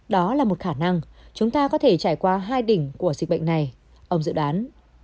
đó là một khả năng chúng ta có thể trải qua hai đỉnh của dịch bệnh này ông dự đoán